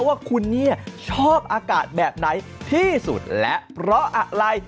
ว่าคุณเนี่ยชอบอากาศแบบไหนที่สุดและเพราะอะไร